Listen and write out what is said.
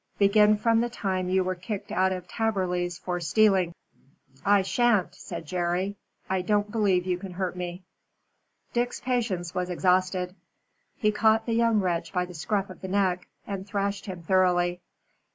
Begin from the time you were kicked out of Taberley's for stealing." "I sha'n't," said Jerry. "I don't believe you can hurt me." Dick's patience was exhausted. He caught the young wretch by the scruff of the neck and thrashed him thoroughly.